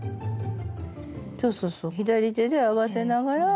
そうそうそう左手で合わせながら。